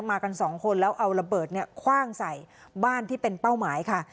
มากันสองคนแล้วเอาระเบิดเนี่ยคว่างใส่บ้านที่เป็นเป้าหมายค่ะ